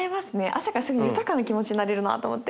朝から豊かな気持ちになれるなと思って。